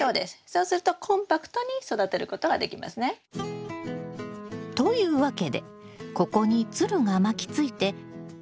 そうするとコンパクトに育てることができますね。というわけでここにつるが巻きついて１か月後には実ができるはずよ。